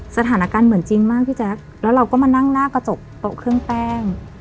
สถานการณ์เหมือนจริงมากพี่แจ๊คแล้วเราก็มานั่งหน้ากระจกโต๊ะเครื่องแป้ง